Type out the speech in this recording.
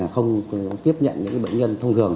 không tiếp nhận những bệnh nhân thông thường